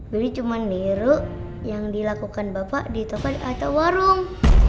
cuma biru yang dilakukan bapak di toko atau warung